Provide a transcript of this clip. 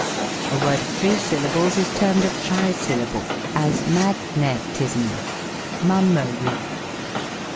A word of three syllables is termed a Trisyllable ; as, Mag net ism, Mum mer y.